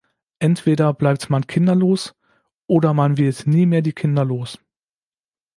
Entweder bleibt man kinderlos, oder man wird nie mehr die Kinder los.